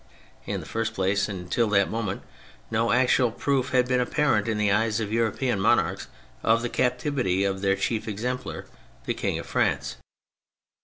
In the first place, until that moment no actual proof had been apparent in the eyes of European monarchs of the captivity of their chief exemplar, the king of France.